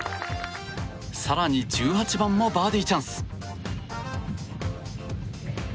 更に１８番もバーディーチャンス。